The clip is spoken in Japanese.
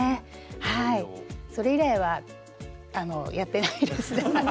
それ以来はあのやってないですね。